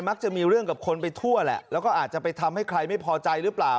จะมีเรื่องกับคนไปทั่วแหละแล้วก็อาจจะไปทำให้ใครไม่พอใจหรือเปล่า